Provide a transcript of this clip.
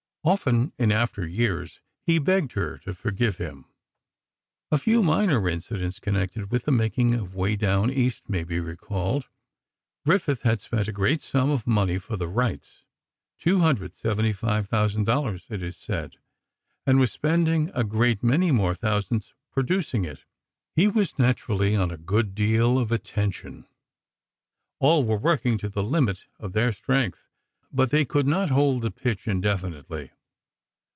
Often, in after years, he begged her to forgive him. A few minor incidents, connected with the making of "Way Down East," may be recalled: Griffith had spent a great sum of money for the rights—$275,000, it is said—and was spending a great many more thousands producing it. He was naturally on a good deal of a tension. All were working to the limit of their strength, but they could not hold the pitch indefinitely.